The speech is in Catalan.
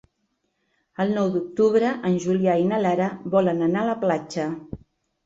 El nou d'octubre en Julià i na Lara volen anar a la platja.